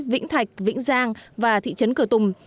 vĩnh thạch vĩnh giang và thị trấn cửa tùng